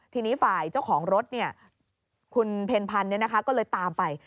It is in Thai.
ทีนี้ฝ่ายเจ้าของรถเนี่ยคุณเพลพันก็เลยตามไป